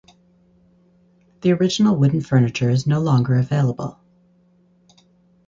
The original wooden furniture is no longer available.